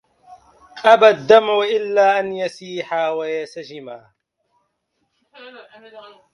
أبى الدمع إلا أن يسح ويسجما